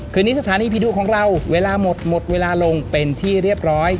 คืนนี้สถานีผีดุของเราเวลาหมดหมดเวลาลงเป็นที่เรียบร้อย